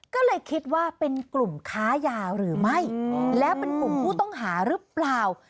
ก็เลยคิดว่าเป็นกลุ่มค้ายาหรือไม่แล้วเป็นกลุ่มผู้ต้องหาหรือเปล่า